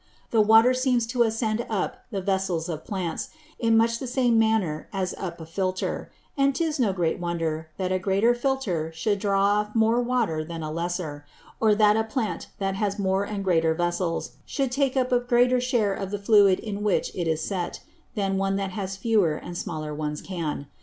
The Water seems to ascend up the Vessels of Plants, in much the same manner as up a Filtre; and 'tis no great wonder that a larger Filtre should draw off more Water than a lesser; or that a Plant that has more and larger Vessels, should take up a greater share of the Fluid in which it is set, than one that has fewer and smaller ones can.